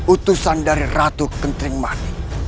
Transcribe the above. utusan dari ratu kenting mani